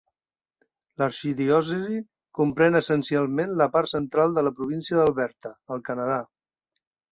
L'arxidiòcesi comprèn essencialment la part central de la província d'Alberta, al Canadà.